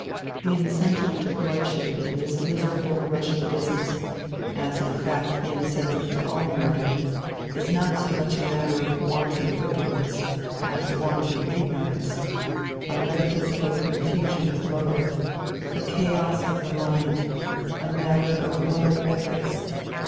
The incentive to blood shed in this miserable Russian business, as in fact the incentive to all murder, is not so much a matter of wanton wickedness as wanton ignorance : a metaphysical confusion of motive : a chaos of the mind : a matter of muddled ethics.